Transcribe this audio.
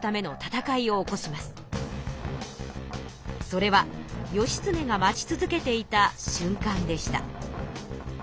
それは義経が待ち続けていたしゅんかんでした。